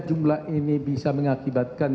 jumlah ini bisa mengakibatkan